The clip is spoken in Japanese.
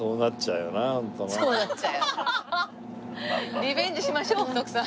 リベンジしましょう徳さん。